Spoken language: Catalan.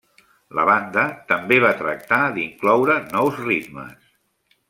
La banda també va tractar d'incloure nous ritmes.